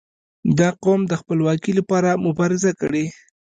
• دا قوم د خپلواکي لپاره مبارزه کړې.